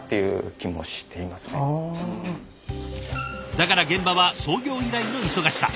だから現場は創業以来の忙しさ。